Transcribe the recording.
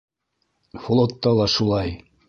- Флотта ла шулай.